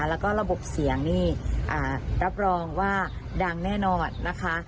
แล้วก็ระบบเสียงนี่รับรองว่าดังแน่นอนนะคะ